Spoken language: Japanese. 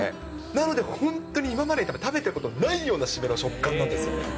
なので本当に今まで食べたことないような締めの食感なんですよ。